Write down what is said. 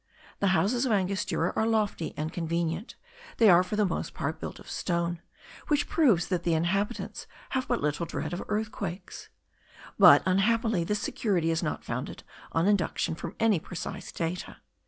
The houses of Angostura are lofty and convenient; they are for the most part built of stone; which proves that the inhabitants have but little dread of earthquakes. But unhappily this security is not founded on induction from any precise data.